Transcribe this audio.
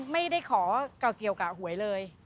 ไม่ได้ขอเกี่ยวกับหวยเลย